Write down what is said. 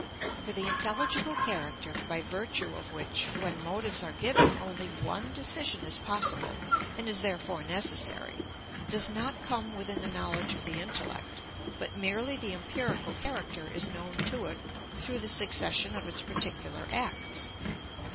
For the intelligible character, by virtue of which, when motives are given, only one decision is possible and is therefore necessary, does not come within the knowledge of the intellect, but merely the empirical character is known to it through the succession of its particular acts.